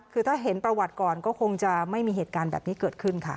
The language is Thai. คือถ้าเห็นประวัติก่อนก็คงจะไม่มีเหตุการณ์แบบนี้เกิดขึ้นค่ะ